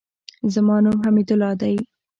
زما نوم حمیدالله دئ.